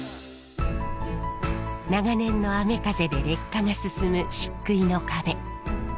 長年の雨風で劣化が進むしっくいの壁。